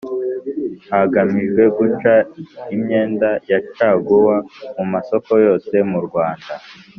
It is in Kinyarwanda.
hagamijwe guca imyenda ya caguwa mu masoko yose mu rwanda